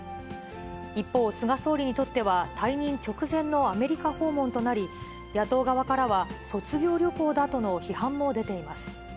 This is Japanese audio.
一方、菅総理にとっては退任直前のアメリカ訪問となり、野党側からは、卒業旅行だとの批判も出ています。